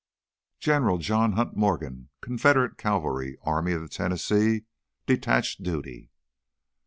"General John Hunt Morgan, Confederate Cavalry, Army of the Tennessee, detached duty!"